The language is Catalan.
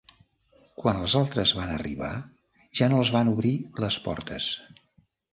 Quan les altres van arribar, ja no els van obrir les portes.